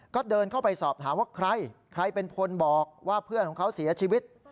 ก็เดินเข้าไปสอบถามว่าใครใครเป็นคนบอกว่าเพื่อนของเขาเสียชีวิต